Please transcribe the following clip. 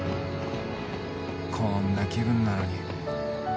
こんな気分なのに。